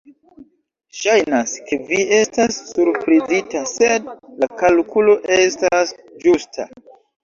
Ŝajnas, ke vi estas surprizita, sed la kalkulo estas ĝusta.